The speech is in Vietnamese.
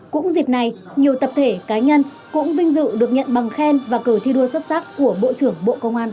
cũng dịp này nhiều tập thể cá nhân cũng vinh dự được nhận bằng khen và cờ thi đua xuất sắc của bộ trưởng bộ công an